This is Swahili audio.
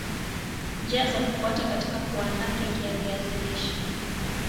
njia za kufuata katika kuandaa keki ya viazi lishe